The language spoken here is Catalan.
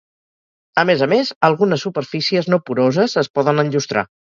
A més a més, algunes superfícies no poroses es poden enllustrar.